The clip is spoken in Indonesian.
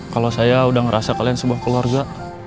kalau saya udah ngerasa kalian sebuah keluarga